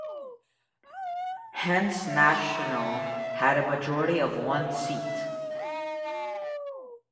Hence National had a majority of one seat.